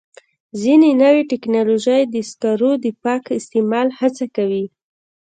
ځینې نوې ټکنالوژۍ د سکرو د پاک استعمال هڅه کوي.